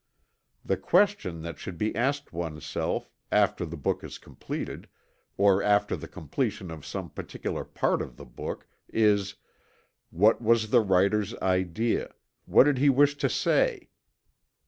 The question that should be asked oneself, after the book is completed, or after the completion of some particular part of the book, is: "What was the writer's idea what did he wish to say?"